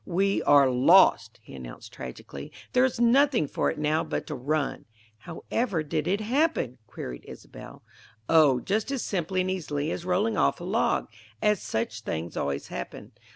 "We are lost!" he announced tragically. "There is nothing for it now but to run." "How ever did it happen?" queried Isobel. "Oh, just as simply and easily as rolling off a log as such things always happen.